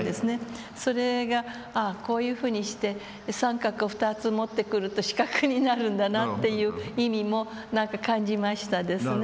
それがああこういうふうにして三角を２つ持ってくると四角になるんだなっていう意味も何か感じましたですね